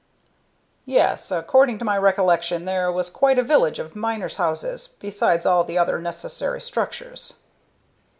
"Yes, according to my recollection there was quite a village of miners' houses, besides all the other necessary structures."